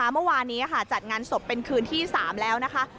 เมื่อวานนี้จัดงานศพเป็นคืนที่๓แล้วนะคะ